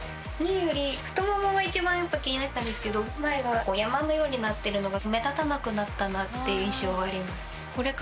何より太ももが一番やっぱ気になってたんですけど前は山のようになってるのが目立たなくなったなって印象はあります。